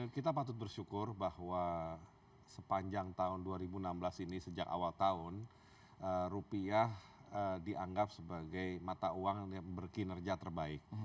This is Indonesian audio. kita patut bersyukur bahwa sepanjang tahun dua ribu enam belas ini sejak awal tahun rupiah dianggap sebagai mata uang yang berkinerja terbaik